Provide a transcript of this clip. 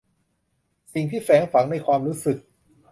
สิ่งที่แฝงฝังในความรู้สึก